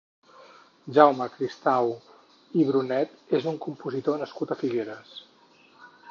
Jaume Cristau i Brunet és un compositor nascut a Figueres.